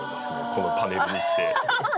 このパネルにして。